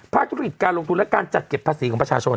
ธุรกิจการลงทุนและการจัดเก็บภาษีของประชาชน